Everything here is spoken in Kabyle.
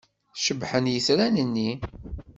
Cebḥen yitran-nni.